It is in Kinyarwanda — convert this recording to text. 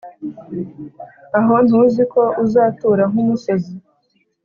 aho ntuziko uzatura nkumusozi